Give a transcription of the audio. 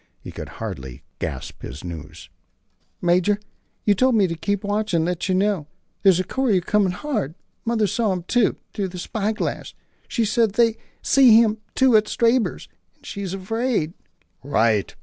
He could hardly gasp his news: "Major, you told me to keep watch and let you know. There's a courier coming hard! Mother saw him too, through the spyglass. She says they see him, too at Stabber's and she's afraid " "Right!"